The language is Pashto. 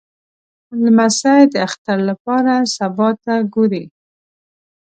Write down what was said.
لمسی د اختر لپاره سبا ته ګوري.